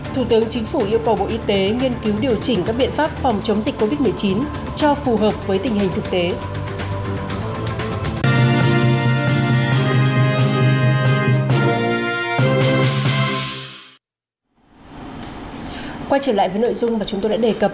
thủ tướng chính phủ yêu cầu bộ y tế nghiên cứu điều chỉnh các biện pháp phòng chống dịch covid một mươi chín cho phù hợp với tình hình thực tế